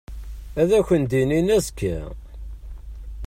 Ad ak-d-inin azekka.